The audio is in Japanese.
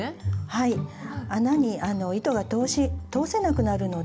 はい穴に糸が通せなくなるので結びません。